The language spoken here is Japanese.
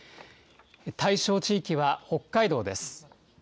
対象地域は北海道です。